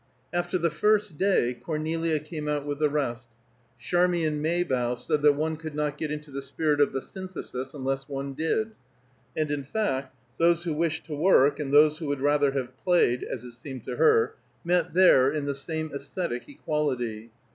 After the first day Cornelia came out with the rest; Charmian Maybough said that one could not get into the spirit of the Synthesis unless one did; and in fact those who wished to work and those who would rather have played, as it seemed to her, met there in the same æsthetic equality.